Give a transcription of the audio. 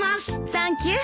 サンキュー！